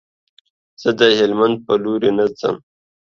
زه د هلمند په لوري نه ځم.